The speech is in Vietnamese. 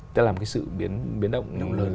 tức là một sự biến động